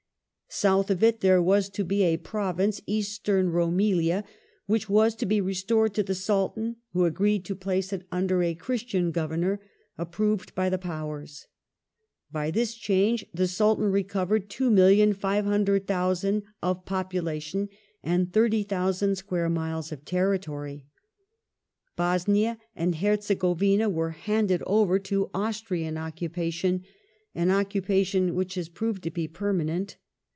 South of it there was to be a province, Eastern Roumellia, which was to be restored to the Sultan who agreed to place it under a Christian Governor approved by the Powers. By this change the Sultan recovered 2,500,000 of popu lation and 30,000 square miles of territory. Bosnia and Herze govina were handed over to Austrian occupation — an occupation which has proved to be permanent.